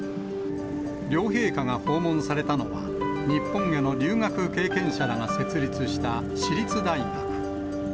両陛下が訪問されたのは、日本への留学経験者らが設立した私立大学。